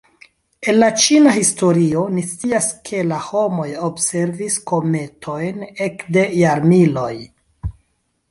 El la ĉina historio ni scias, ke la homoj observis kometojn ekde jarmiloj.